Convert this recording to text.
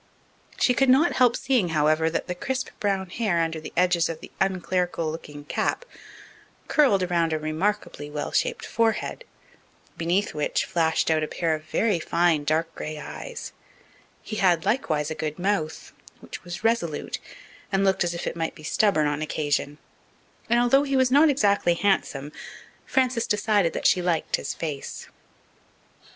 She could not help seeing, however, that the crisp brown hair under the edges of the unclerical looking cap curled around a remarkably well shaped forehead, beneath which flashed out a pair of very fine dark grey eyes; he had likewise a good mouth, which was resolute and looked as if it might be stubborn on occasion; and, although he was not exactly handsome, Frances decided that she liked his face.